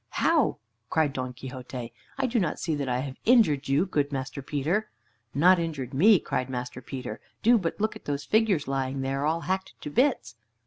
"How!" cried Don Quixote. "I do not see that I have injured you, good Master Peter." "Not injured me!" cried Master Peter. "Do but look at those figures lying there, all hacked to bits."